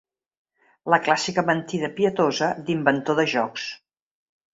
La clàssica mentida pietosa d'inventor de jocs.